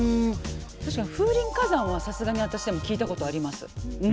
確かに「風林火山」はさすがに私でも聞いたことあります。